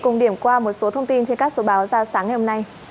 cùng điểm qua một số thông tin trên các số báo ra sáng ngày hôm nay